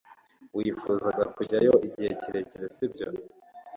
wifuzaga kujyayo igihe kirekire, sibyo